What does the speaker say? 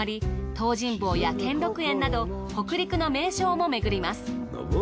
東尋坊や兼六園など北陸の名勝も巡ります。